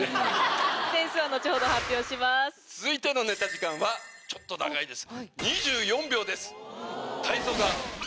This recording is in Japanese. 続いてのネタ時間はちょっと長いです。